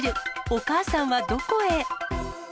お母さんはどこへ？